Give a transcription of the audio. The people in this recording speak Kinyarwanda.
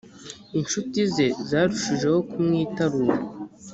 incuti ze zarushijeho kumwitarura